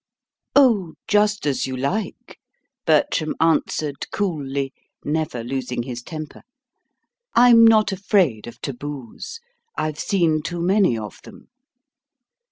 "Oh, just as you like," Bertram answered coolly, never losing his temper. "I'm not afraid of taboos: I've seen too many of them."